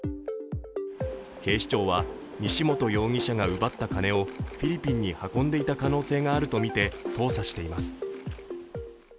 警視庁は西本容疑者が奪った金をフィリピンに運んでいた可能性があるとみて捜査しています。